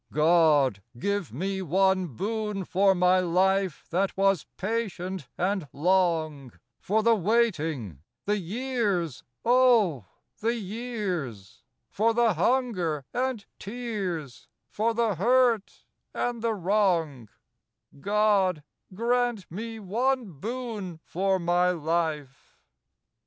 God ! give me one boon for my life That was patient and long ; For the waiting ; the years — oh, the years ! For the hunger and tears ; For the hurt and the wrong :— God ! grant me one boon for my life. 44 PARTED.